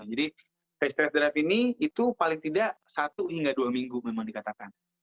jadi stage test drive ini itu paling tidak satu hingga dua minggu memang dikatakan